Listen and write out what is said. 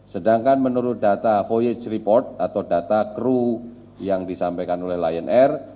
sedangkan menurut data voyage report atau data kru yang disampaikan oleh lion air